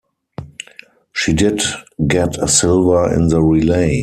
She did get a silver in the relay.